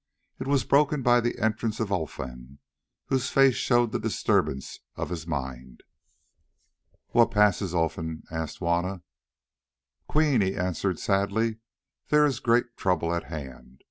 It was broken by the entrance of Olfan, whose face showed the disturbance of his mind. "What passes, Olfan?" asked Juanna. "Queen," he answered sadly, "there is great trouble at hand.